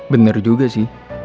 bener juga sih